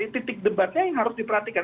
titik debatnya yang harus diperhatikan